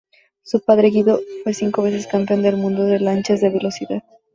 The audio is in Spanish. Su padre Guido fue cinco veces campeón del mundo de lanchas de velocidad.